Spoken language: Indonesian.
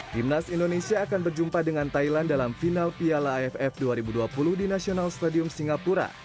timnas indonesia akan berjumpa dengan thailand dalam final piala aff dua ribu dua puluh di national stadium singapura